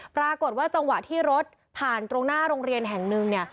ปรากฏว่าจังหวะที่รถผ่านตรงหน้าโรงเรียนแห่งหนึ่งเนี่ย